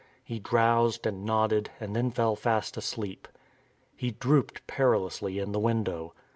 He drowsed and nodded and then fell fast asleep. He drooped perilously in the window.